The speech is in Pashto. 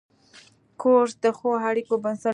کورس د ښو اړیکو بنسټ دی.